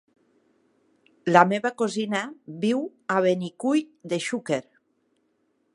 La meva cosina viu a Benicull de Xúquer.